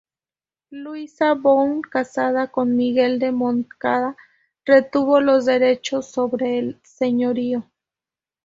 Luisa Bou, casada con Miguel de Montcada, retuvo los derechos sobre el señorío.